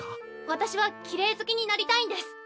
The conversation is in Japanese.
私はきれい好きになりたいんです。